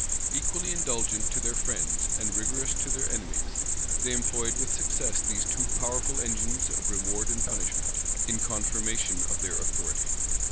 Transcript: Equally indulgent to their friends and rigorous to their enemies, they employed with success these two powerful engines of reward and punishment, in confirmation of their authority.